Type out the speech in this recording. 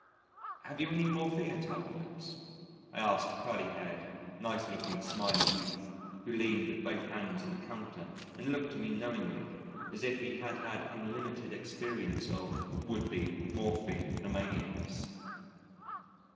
"Have you any morphia tabloids?" I asked a curly haired, nice looking, smiling youth, who leaned with both hands on the counter and looked at me knowingly, as if he had had unlimited experience of would be morphi nomaniacs.